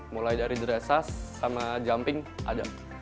mulai dari dressage sama jumping ada